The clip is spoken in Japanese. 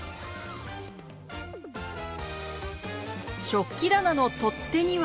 食器棚の取っ手には。